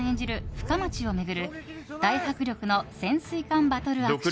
深町を巡る大迫力の潜水艦バトルアクション。